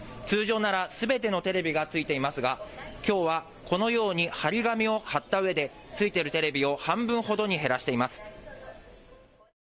通常ならすべてのテレビがついていますがきょうはこのように貼り紙を貼ったうえでついているテレビを半分ほどに減らしています。